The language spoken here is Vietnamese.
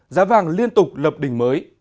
giá vàng liên tục lập đỉnh mới